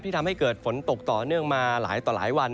ทำให้เกิดฝนตกต่อเนื่องมาหลายต่อหลายวัน